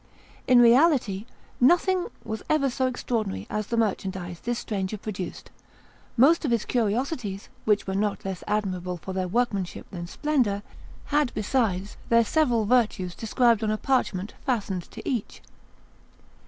In reality, nothing was ever so extraordinary as the merchandise this stranger produced; most of his curiosities, which were not less admirable for their workmanship than splendour, had, besides, their several virtues described on a parchment fastened to each.